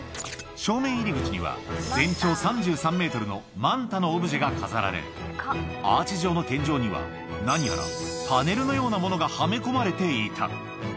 正面入り口には、全長３３メートルのマンタのオブジェが飾られ、アーチ状の天井には、何やらパネルのようなものがはめ込まれていた。